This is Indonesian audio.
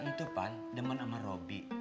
itu kan demen sama robby